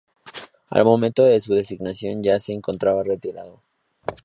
Al momento de su designación ya se encontraba retirado.